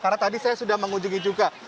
karena tadi saya sudah mengunjungi juga